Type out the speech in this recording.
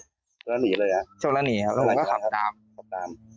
ชนแล้วหนีเลยครับชนแล้วหนีครับแล้วผมก็ขับตาม